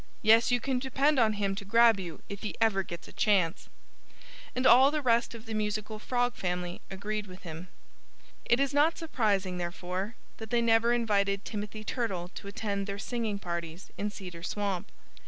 "Yes, you can depend on him to grab you if he ever gets a chance." And all the rest of the musical Frog family agreed with him. It is not surprising, therefore, that they never invited Timothy Turtle to attend their singing parties in Cedar Swamp.